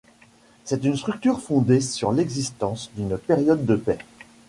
C'est une structure fondée sur l'existence d'une période de paix.